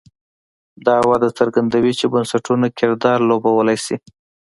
دا وده څرګندوي چې بنسټونه کردار لوبولی شي.